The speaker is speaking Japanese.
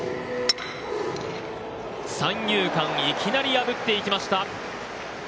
三遊間、いきなり破っていきました！